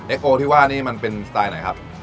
เอโก้ที่ว่าอันนี้มันเป็นสไตล์ไหนครับ